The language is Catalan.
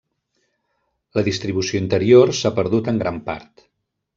La distribució interior s'ha perdut en gran part.